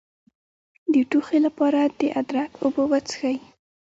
د ټوخي لپاره د ادرک اوبه وڅښئ